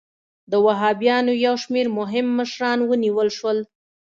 د وهابیانو یو شمېر مهم مشران ونیول شول.